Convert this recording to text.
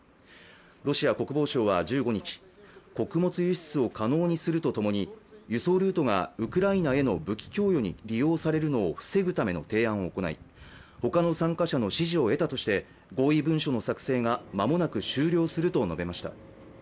ロシア国防省は１５日穀物輸出を可能にするとともに輸送ルートがウクライナへの武器供与に利用されるのを防ぐための提案を行いほかの参加者の支持を得たとして合意文書の作成がまもなく終了すると述べました。